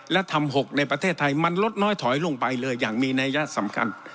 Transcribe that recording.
และทำ๖ในประเทศไทยมันลดน้อยถอยลงไปเลยอย่างมีนัยยะสำคัญ